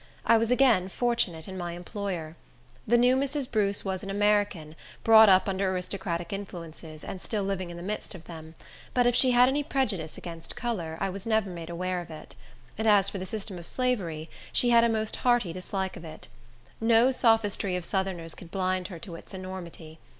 I was again fortunate in my employer. The new Mrs. Bruce was an American, brought up under aristocratic influences, and still living in the midst of them; but if she had any prejudice against color, I was never made aware of it; and as for the system of slavery, she had a most hearty dislike of it. No sophistry of Southerners could blind her to its enormity.